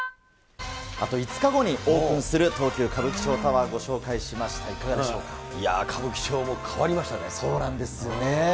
あと５日後にオープンする東急歌舞伎町タワー、ご紹介しましいや、歌舞伎町も変わりましそうなんですよね。